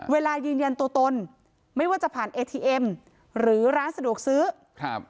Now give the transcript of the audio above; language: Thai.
เวลายืนยันตัวตนไม่ว่าจะผ่านเอทีเอ็มหรือร้านสะดวกซื้อครับ